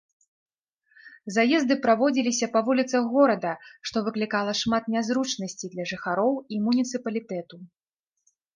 Заезды праводзіліся па вуліцах горада, што выклікала шмат нязручнасцей для жыхароў і муніцыпалітэту.